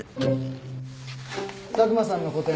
佐久間さんの個展